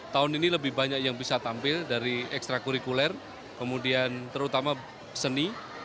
tahun ini lebih banyak yang bisa tampil dari ekstra kurikuler kemudian terutama seni